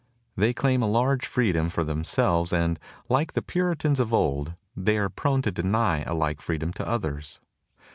They claim a large freedom for them selves; and, like the Puritans of old, they are prone to deny a like freedom to others.